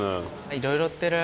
いろいろ売ってる。